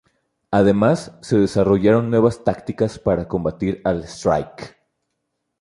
Además, se desarrollaron nuevas tácticas para combatir al Shrike.